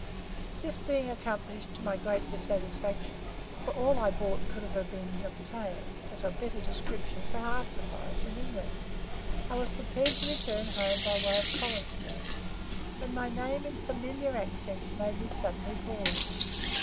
This being accomplished to my great dissatisfaction for all I bought could have been obtained, of a better description, for half the price in England I was preparing to return home by way of Collins Street, when my name in familiar accents made me suddenly pause.